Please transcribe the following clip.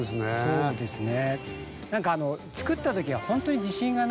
そうですね